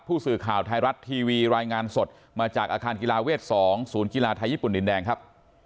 ผู้สื่อข่าวไทยรัฐทีวีรายงานสดมาจากอาคารกีฬาเวท๒ศูนย์กีฬาไทยญี่ปุ่นดินแดงครับ